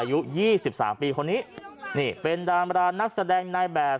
อายุ๒๓ปีคนนี้เป็นดามรานนักแสดงนายแบบ